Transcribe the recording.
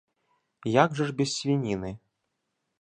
Як жа ж без свініны?